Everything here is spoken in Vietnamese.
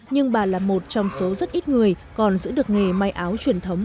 nhưng bà là một trong số rất ít người còn giữ được nghề may áo truyền thống